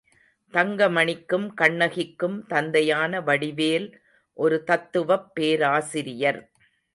தங்கமணிக்கும் கண்ணகிக்கும் தந்தையான வடிவேல் ஒரு தத்துவப் பேராசிரியர்.